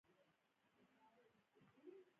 د نجونو تعلیم د ناروغیو پوهاوي زیاتولو لاره ده.